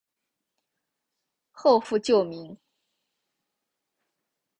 后复旧名。